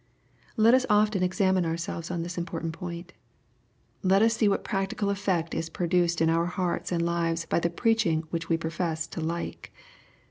Let us often examine oursetves on this important point. Let us see what practical effect is produced on our hearts and lives by the preaching which we profess to like.